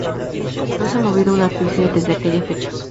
no se ha movido un ápice desde aquella fecha